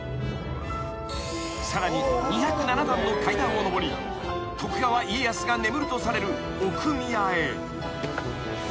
［さらに２０７段の階段を上り徳川家康が眠るとされる奥宮へ］